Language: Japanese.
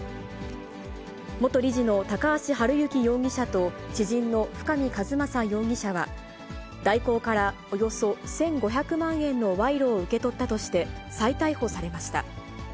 元理事の高橋治之容疑者と、知人の深見和政容疑者は、大広からおよそ１５００万円の賄賂を受け取ったとして、再逮捕されました。